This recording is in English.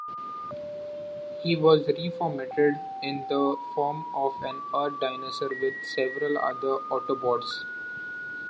He was reformatted in the form of an Earth dinosaur with several other Autobots.